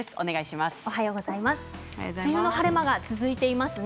梅雨の晴れ間が続いていますね。